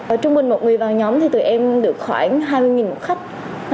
ở trung bình một người vào nhóm thì tụi em được khoảng hai mươi khách